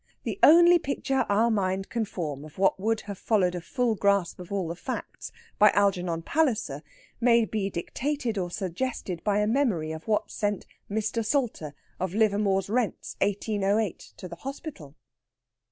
The only picture our mind can form of what would have followed a full grasp of all the facts by Algernon Palliser may be dictated or suggested by a memory of what sent Mr. Salter, of Livermore's Rents, 1808, to the hospital.